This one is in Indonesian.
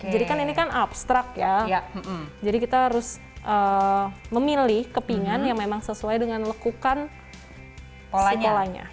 kan ini kan abstrak ya jadi kita harus memilih kepingan yang memang sesuai dengan lekukan pola nyalanya